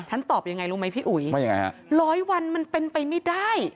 ท่านตอบยังไงรู้ไหมพี่อุ๋ยร้อยวันมันเป็นไปไม่ได้